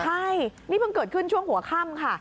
ใช่นี่เพิ่งเกิดขึ้นช่วงหัวค่ำค่ะ